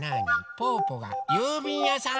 ぽぅぽがゆうびんやさん？